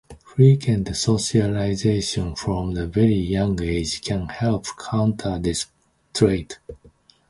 Frequent socialization from a very young age can help counter this trait.